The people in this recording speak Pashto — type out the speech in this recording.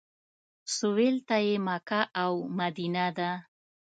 سویل ته یې مکه او مدینه ده.